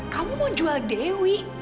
kamu mau jual dewi